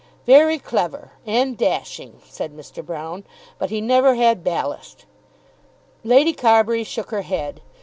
"Very clever, and dashing," said Mr. Broune, "but he never had ballast." Lady Carbury shook her head.